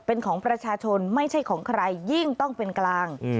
เป็นของประชาชนไม่ใช่ของใครยิ่งต้องเป็นกลาง